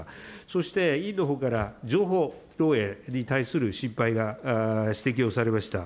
そして、委員のほうから情報漏えいに対する心配が指摘をされました。